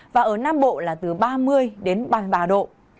và ở nam bộ là từ ba mươi đến ba mươi ba độ